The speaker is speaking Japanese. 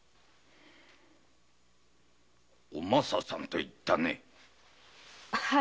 お政さんといったね。